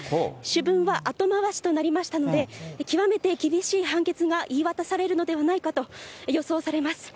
主文は後回しとなりましたので、極めて厳しい判決が言い渡されるのではないかと予想されます。